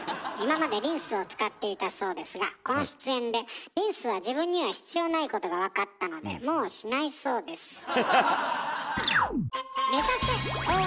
今までリンスを使っていたそうですがこの出演でリンスは自分には必要ないことが分かったのでもうしないそうです。